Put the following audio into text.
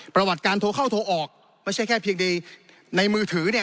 ประวัติการโทรเข้าโทรออกไม่ใช่แค่เพียงในมือถือเนี่ย